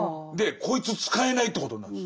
こいつ使えないということになるんです。